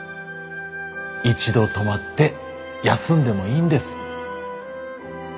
一度止まって休んでもいいんです。